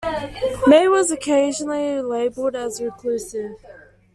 May was occasionally labeled as reclusive.